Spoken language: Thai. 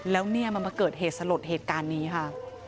แล้วเนี่ยมันมาเกิดเหตุสลดเหตุการณ์นี้ค่ะ